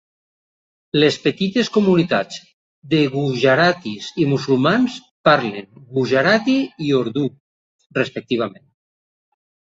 Les petites comunitats de gujaratis i musulmans parlen gujarati i urdu, respectivament.